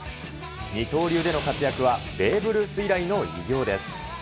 二刀流での活躍はベーブ・ルース以来の偉業です。